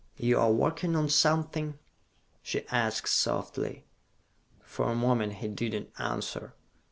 "You are working on something?" she asked softly. For a moment he did not answer.